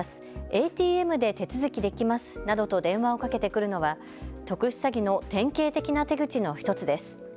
ＡＴＭで手続きできますなどと電話をかけてくるのは特殊詐欺の典型的な手口の１つです。